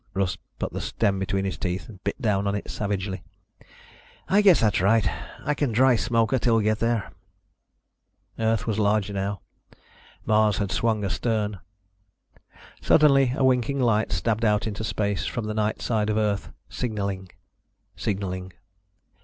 Russ put the stem between his teeth, bit down on it savagely. "I guess that's right. I can dry smoke her until we get there." Earth was larger now. Mars had swung astern. Suddenly a winking light stabbed out into space from the night side of Earth. Signaling ... signaling